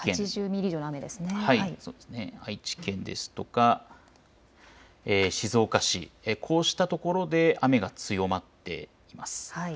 愛知県ですとか静岡市こうしたところで雨が強まっています。